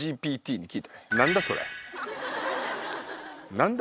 何だ？